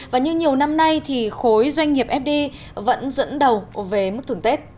và như nhiều năm nay thì khối doanh nghiệp fdi vẫn dẫn đầu về mức thưởng tết